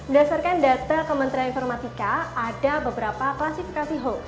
dasarkan data kementerian informatika ada beberapa klasifikasi hoax